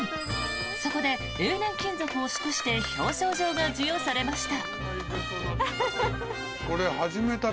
そこで永年勤続を祝して表彰状が授与されました。